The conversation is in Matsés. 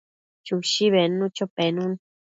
Chushi bednucho penun